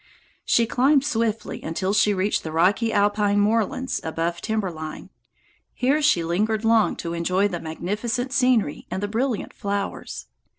She climbed swiftly until she reached the rocky alpine moorlands above timber line. Here she lingered long to enjoy the magnificent scenery and the brilliant flowers.